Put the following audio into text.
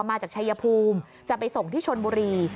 มาจากชายภูมิจะไปส่งที่ชนบุรี